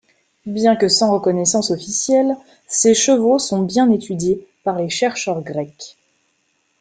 Bien que sans reconnaissance officielle, ces chevaux sont bien étudiés par les chercheurs grecs.